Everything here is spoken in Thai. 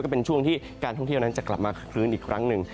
ก็เป็นช่วงที่การท่องเที่ยวนั้นจะกลับมาคลื้นอีกครั้งหนึ่ง